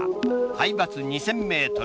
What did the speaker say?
海抜２０００ｍ。